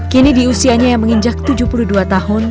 kini di usianya yang menginjak tujuh puluh dua tahun